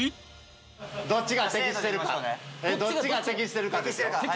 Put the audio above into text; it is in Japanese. どっちが適してるかですよ。